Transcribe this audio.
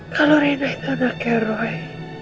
kalau reina itu anak roy